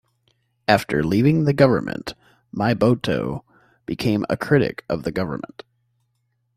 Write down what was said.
After leaving the government, Myboto became a critic of the government.